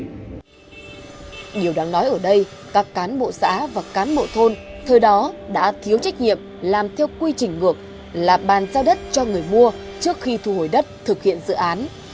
điều đáng nói ở đây các cán bộ xã và cán bộ thôn thời đó đã thiếu trách nhiệm làm theo quy trình ngược là bàn giao đất cho người mua trước khi thu hồi đất thực hiện dự án